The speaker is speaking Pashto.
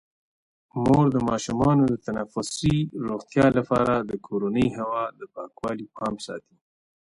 مور د ماشومانو د تنفسي روغتیا لپاره د کورني هوا د پاکوالي پام ساتي.